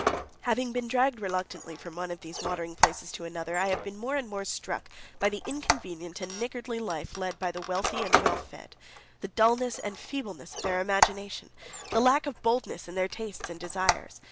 Having been dragged reluctantly from one of these watering places to another, I have been more and more struck by the inconvenient and niggardly life led by the wealthy and well fed, the dulness and feebleness of their imagination, the lack of boldness in their tastes and desires.